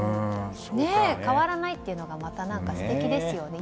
変わらないというのがまた素敵ですよね。